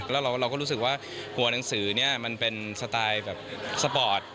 แล้วเราก็รู้สึกว่าหัวหนังสือเนี่ยมันเป็นสไตล์แบบสปอร์ต